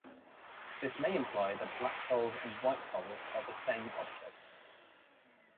This may imply that black holes and white holes are the same object.